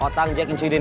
otang jack dan cuy denny